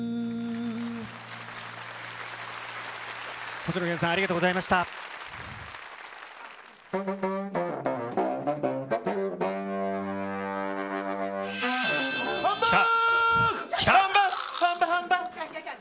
星野源さん、ありがとうございました。